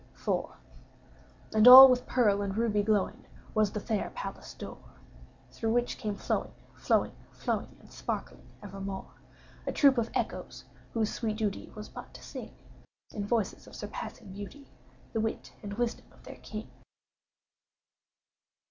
IV. And all with pearl and ruby glowing Was the fair palace door, Through which came flowing, flowing, flowing, And sparkling evermore, A troop of Echoes whose sweet duty Was but to sing, In voices of surpassing beauty, The wit and wisdom of their king.